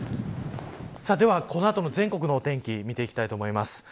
では、この後の全国のお天気見ていきたいと思います。